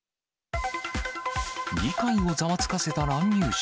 議会をざわつかせた乱入者。